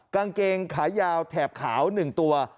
กางเกงขายาวแถบขาว๑ตัว